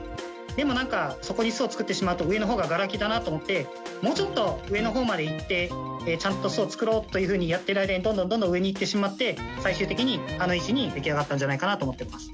でもなんかそこに巣を作ってしまうと上の方がガラ空きだなと思ってもうちょっと上の方まで行ってちゃんと巣を作ろうというふうにやっている間にどんどんどんどん上に行ってしまって最終的にあの位置に出来上がったんじゃないかなと思っています。